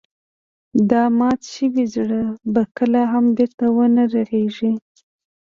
دا مات شوی زړه به کله هم بېرته ونه رغيږي.